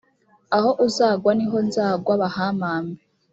aho uzagwa ni ho nzagwa bahampambe